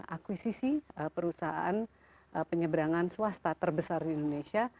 akuisisi perusahaan penyeberangan swasta terbesar di indonesia